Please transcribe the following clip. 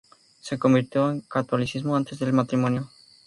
Se convirtió al catolicismo antes del matrimonio.